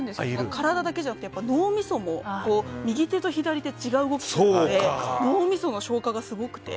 体だけじゃなくて脳みそも右手と左手違う動きするので脳みその消化がすごくて。